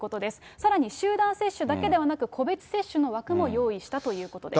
さらに集団接種だけではなく、個別接種の枠も用意したということです。